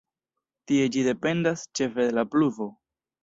Tie ĝi dependas ĉefe de la pluvo.